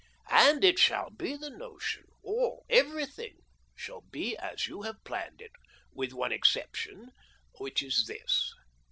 " And it shall be the notion. All — everything — shall be as you have planned it, with one ex ception, which is this.